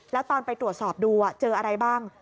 แล้วตอนไปตรวจสอบดูเจออะไรบ้าง